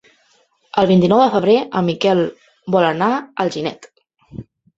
El vint-i-nou de febrer en Miquel vol anar a Alginet.